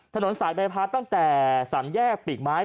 ถนนสายใบพัดตั้งแต่สามแยกปีกไม้